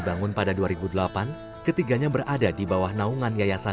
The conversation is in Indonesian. yang dibutuhkan biar murid kami juga bisa